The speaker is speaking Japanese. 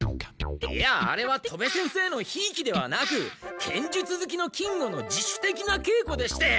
いやあれは戸部先生のひいきではなく剣術ずきの金吾の自主的なけいこでして。